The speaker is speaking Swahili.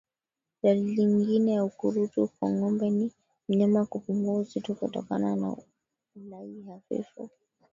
Dalili nyingine ya ukurutu kwa ngoombe ni mnyama kupungua uzito kutokana na ulaji hafifu